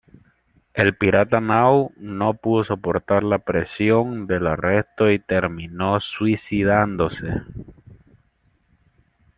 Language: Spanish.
El pirata Nau no pudo soportar la presión del arresto y terminó suicidándose.